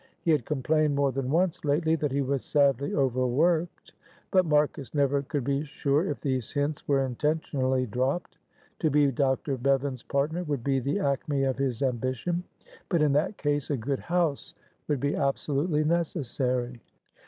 He had complained more than once lately that he was sadly overworked, but Marcus never could be sure if these hints were intentionally dropped. To be Dr. Bevan's partner would be the acme of his ambition, but in that case a good house would be absolutely necessary.